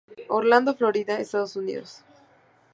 Orlando, Florida, Estados Unidos.